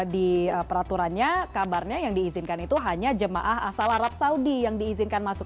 di peraturannya kabarnya yang diizinkan itu hanya jemaah asal arab saudi yang diizinkan masuk